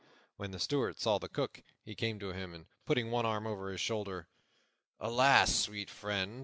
When the Steward saw the Cook, he came to him, and, putting one arm over his shoulder, "Alas, sweet friend!"